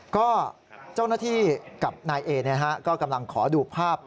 ก็เจ้าหน้าที่กับนายเอก็กำลังขอดูภาพ